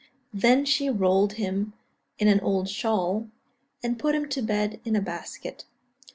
Then she rolled him in an old shawl, and put him to bed in a basket.